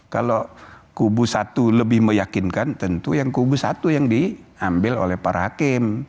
kalau kubu satu lebih meyakinkan tentu yang kubu satu yang diambil oleh para hakim